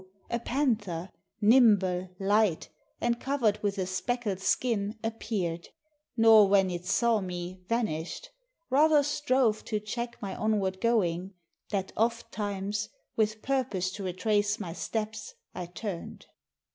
a panther, nimble, light, And cover'd with a speckled skin, appear'd, Nor, when it saw me, vanish'd, rather strove To check my onward going; that ofttimes With purpose to retrace my steps I turn'd.